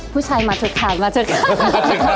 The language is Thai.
ผู้ชายมาชุดทางมาชุดทาง